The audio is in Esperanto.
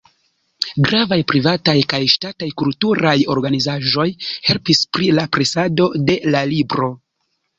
Gravaj privataj kaj ŝtataj kulturaj organizaĵoj helpis pri la presado de la libro.